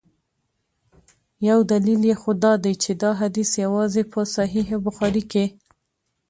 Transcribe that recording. یو دلیل یې خو دا دی چي دا حدیث یوازي په صحیح بخاري کي.